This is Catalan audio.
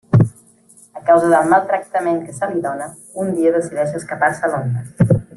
A causa del maltractament que se li dóna, un dia decideix escapar-se a Londres.